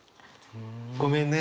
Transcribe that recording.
ごめんね。